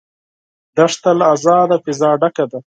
دښته له آزاده فضا ډکه ده.